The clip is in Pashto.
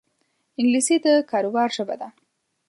انګلیسي د کاروبار ژبه ده